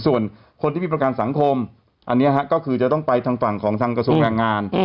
ส่วนคนที่มีประกันสังคมอันนี้ก็คือจะต้องไปทางฝั่งของทางกระทรวงแรงงาน